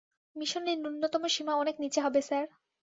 মিশনে ন্যূনতম সীমা অনেক নিচে হবে, স্যার।